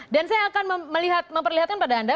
dan saya akan memperlihatkan pada anda